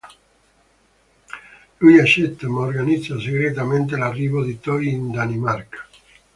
Lui accetta, ma organizza segretamente l'arrivo di Toi in Danimarca.